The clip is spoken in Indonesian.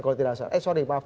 kalau tidak salah eh sorry maaf